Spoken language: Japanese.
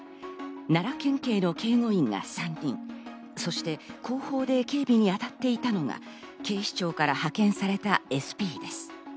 奈良県警の警護員が３人、そして後方で警備に当たっていたのが警視庁から派遣されたＳＰです。